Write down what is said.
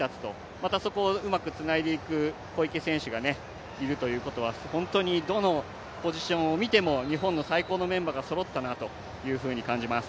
またそこをうまくつないでいく小池選手がいるということは本当にどのポジションを見ても日本の最高のメンバーがそろったなというふうに感じます。